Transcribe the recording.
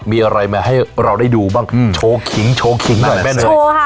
มีอะไรมาให้เราได้ดูบ้างโชว์ขิงโชว์ขิงก่อนแม่เนยโชว์ค่ะ